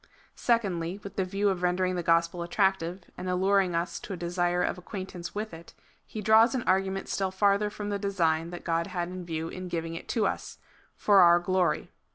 Secondly, with the view of rendering the gospel attractive, and alluring us to a desire of acquaintance with it, he draws an argument still farther from the design that God had in view in giving it to us —^' for our glory."